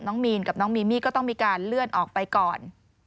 มีนกับน้องมีมี่ก็ต้องมีการเลื่อนออกไปก่อน